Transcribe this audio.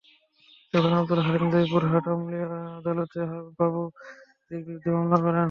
তখন আবদুল হালিম জয়পুরহাট আমলি আদালতে বাবু কাজীর বিরুদ্ধে মামলা করেন।